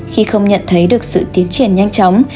khi không nhận thấy được sự tiến triển nhanh chóng